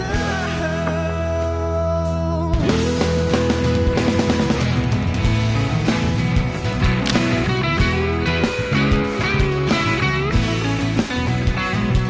ayo kita terserah ya